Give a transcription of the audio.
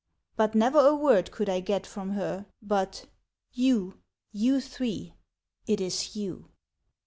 *' But never a word could I get from her But " You — you three — it is you